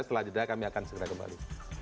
setelah jeda kami akan segera kembali